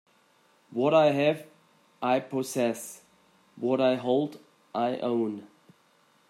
What I have, I possess; what I hold, I own.